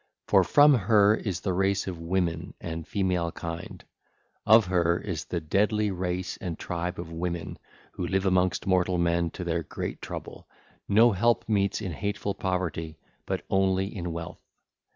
(ll. 590 612) For from her is the race of women and female kind: of her is the deadly race and tribe of women who live amongst mortal men to their great trouble, no helpmeets in hateful poverty, but only in wealth.